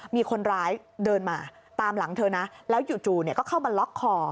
มีคนร้ายเดินมาตามหลังเธอนะแล้วจู่ก็เข้ามาล็อกคอ